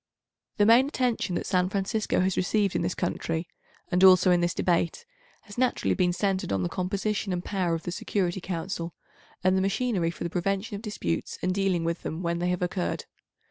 The main attention that San Francisco has received in this country, and also in this Debate, has naturally been centred on the composition and power of the Security Council, and the machinery for the prevention of disputes and dealing with them when they have occurred.